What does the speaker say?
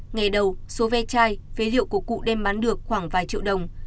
ngày đầu số ve chai phế liệu của cụ đem bán được khoảng vài triệu đồng